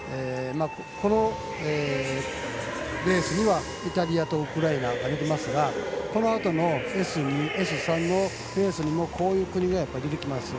このレースには、イタリアとウクライナが出ますがこのあとのＳ２、Ｓ３のレースにもこういう国が出てきます。